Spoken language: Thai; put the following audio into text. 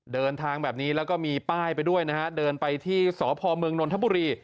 เดินทางแบบนี้แล้วก็มีป้ายไปด้วยนะฮะเดินไปที่สพเมืองนนทบุรี